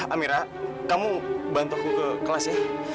amira kamu bantu aku ke kelas ya